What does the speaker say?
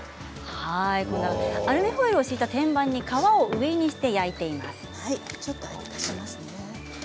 アルミホイルを敷いた天板に皮を上にして焼いていきます。